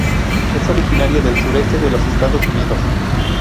Es originaria del sureste de los Estados Unidos.